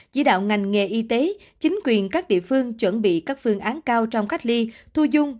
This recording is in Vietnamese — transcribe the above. chỉ đạo ngành nghề y tế chính quyền các địa phương chuẩn bị các phương án cao trong cách ly thu dung